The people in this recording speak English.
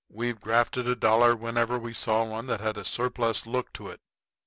We've grafted a dollar whenever we saw one that had a surplus look to it.